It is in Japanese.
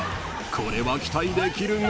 ［これは期待できるが］